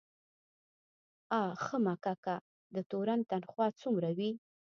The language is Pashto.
آ ښه مککه، د تورن تنخواه څومره وي؟